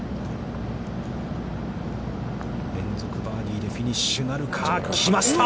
連続バーディーでフィニッシュなるか。来ました。